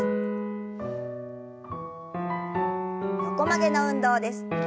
横曲げの運動です。